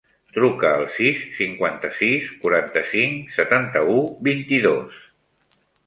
Truca al sis, cinquanta-sis, quaranta-cinc, setanta-u, vint-i-dos.